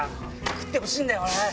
食ってほしいんだよはい！